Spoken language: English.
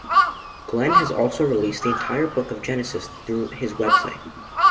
Glen has also released the entire Book of Genesis through his web site.